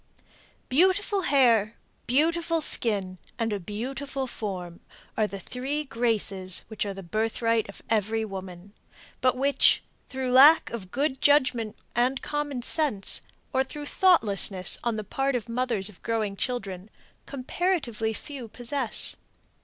Beautiful hair, beautiful skin and a beautiful form are the three graces which are the birthright of every woman, but which, through lack of good judgment and common sense, or through thoughtlessness on the part of mothers of growing children, comparatively few possess.